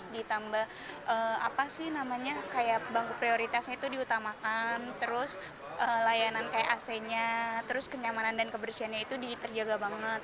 ditambah apa sih namanya kayak bangku prioritasnya itu diutamakan terus layanan kayak ac nya terus kenyamanan dan kebersihannya itu diterjaga banget